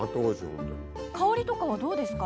香りとかはどうですか？